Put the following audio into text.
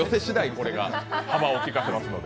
これが幅をきかせますので。